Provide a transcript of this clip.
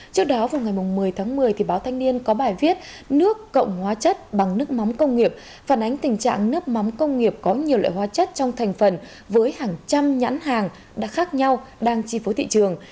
trước đó vào ngày một mươi tháng một mươi báo thanh niên có bài viết nước cộng hóa chất bằng nước mắm công nghiệp phản ánh tình trạng nước mắm công nghiệp có nhiều loại hóa chất trong thành phần với hàng trăm nhãn hàng đã khác nhau đang chi phối thị trường